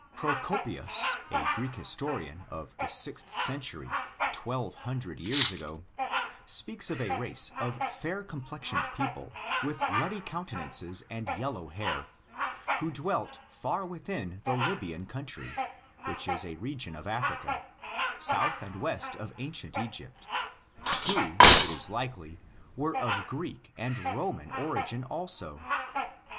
Procopius, a Greek historian, of the sixth century, 1200 years ago, speaks of a race of fair complexion ed people with ruddy countenances and yellow hair, who dwelt far within the Lyhian country, which is a region of Africa, south and west of ancient Egypt, who, it is likely, were of Greek and Roman origin also.